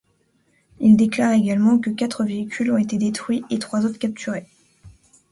Il déclare également que quatre véhicules ont été détruits et trois autres capturés.